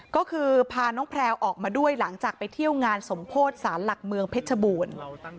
ก็คือพาน้องแพลวออกมาด้วยหลังจากไปเที่ยวงานสมโพธิสารหลักเมืองเพชรบูรณ์